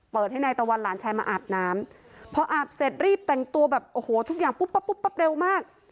ให้นายตะวันหลานชายมาอาบน้ำพออาบเสร็จรีบแต่งตัวแบบโอ้โหทุกอย่างปุ๊บปั๊บปุ๊บปั๊บเร็วมาก